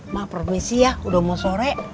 mah permisi ya udah mau sore